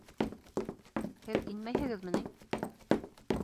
Һеҙ инмәйһегеҙме ни?